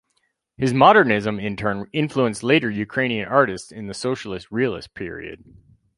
His Modernism in turn influenced later Ukrainian artists in the Socialist Realist period.